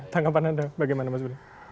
tanggapan anda bagaimana mas budi